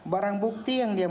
barang bukti yang dia